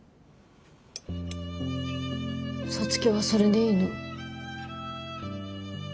皐月はそれでいいの？